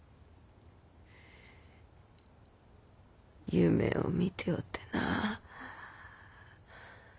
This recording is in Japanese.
夢を見ておってな。